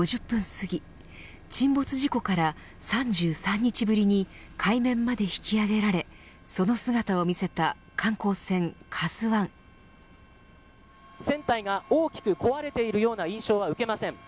すぎ沈没事故から３３日ぶりに海面まで引き揚げられその姿を見せた船体が大きく壊れているような印象は受けません。